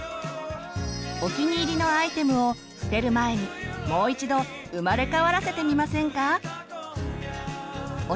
お気に入りのアイテムを捨てる前にもう一度生まれ変わらせてみませんか！